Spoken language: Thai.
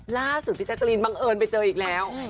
ล่าสุดพี่แจ๊กกะรีนบังเอิญไปเจออีกแล้ว